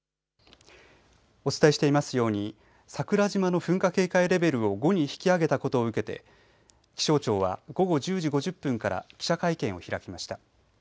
お伝えしていますように桜島の噴火警戒レベルを５に引き上げたことを受けて気象庁は午後１０時５０分から記者会見を開きました。